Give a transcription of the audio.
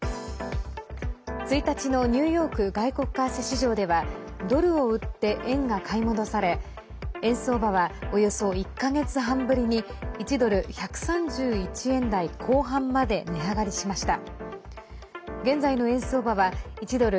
１日のニューヨーク外国為替市場ではドルを売って円が買い戻され円相場は、およそ１か月半ぶりに１ドル＝１３１円台後半まで値上がりしました。